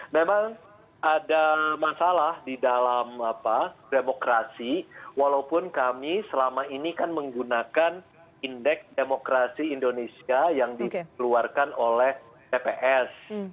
memang ada masalah di dalam demokrasi walaupun kami selama ini kan menggunakan indeks demokrasi indonesia yang dikeluarkan oleh tps